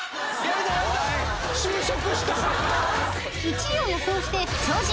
［１位を予想して超人］